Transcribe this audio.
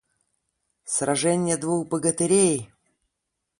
Сраженье двух богатырей!